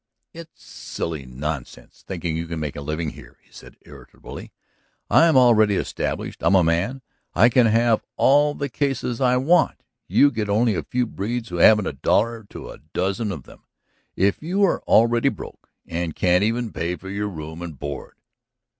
"It's silly nonsense, your thinking you can make a living here," he said irritably. "I'm already established, I'm a man, I can have all of the cases I want, you'll get only a few breeds who haven't a dollar to the dozen of them. If you are already broke and can't even pay for your room and board